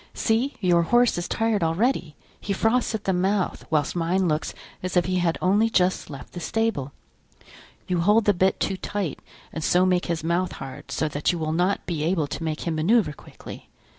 See! your horse is tired already, he froths at the mouth, whilst mine looks as if he had only just left the stable. You hold the bit too tight and so make his mouth hard, so that you will not be able to make him manoeuvre quickly.